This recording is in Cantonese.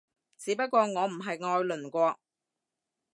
只不過我唔係愛鄰國